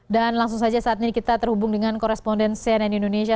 dan langsung saja saat ini kita terhubung dengan koresponden cnn indonesia